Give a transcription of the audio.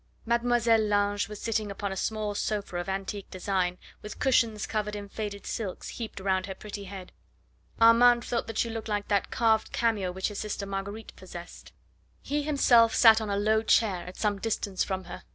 Mademoiselle Lange was sitting upon a small sofa of antique design, with cushions covered in faded silks heaped round her pretty head. Armand thought that she looked like that carved cameo which his sister Marguerite possessed. He himself sat on a low chair at some distance from her.